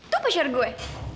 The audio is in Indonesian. tuh pesir gue